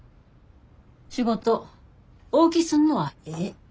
仕事大きすんのはええ。